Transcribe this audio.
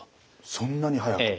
そんなに速く。